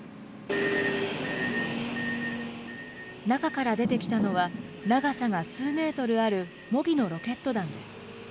中から出てきたのは、長さが数メートルある模擬のロケット弾です。